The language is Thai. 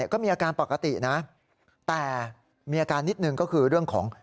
ก็มีอาการปกตินะแต่มีอาการนิดหนึ่งก็คือเรื่องของ